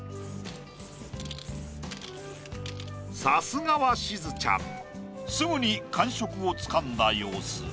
さすがはしずちゃんすぐに感触をつかんだ様子。